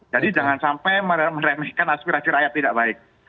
jadi jangan sampai meremehkan aspirasi rakyat tidak baik